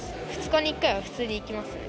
２日に１回は普通に行きますね。